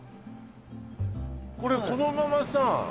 これこのままさ